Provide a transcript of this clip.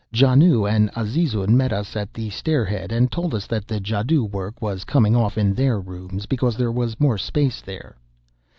Janoo and Azizun met us at the stair head, and told us that the jadoo work was coming off in their rooms, because there was more space there.